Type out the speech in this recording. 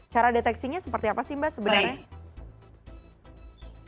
cara deteksinya seperti apa sih mbak sebenarnya